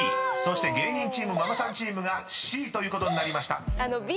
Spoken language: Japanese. ［そして芸人チームママさんチームがＣということになりました］